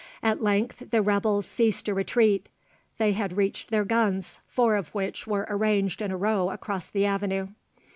At length the rebels ceased to retreat; they had reached their guns, four of which were arranged in a row across the avenue.